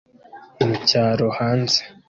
Mu cyaro hanze